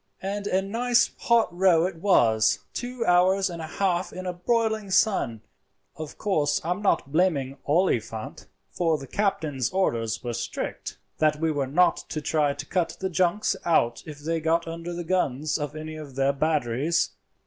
"And a nice hot row it was—two hours and a half in a broiling sun. Of course I am not blaming Oliphant, for the captain's orders were strict that we were not to try to cut the junks out if they got under the guns of any of their batteries.